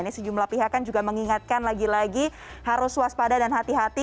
ini sejumlah pihak kan juga mengingatkan lagi lagi harus waspada dan hati hati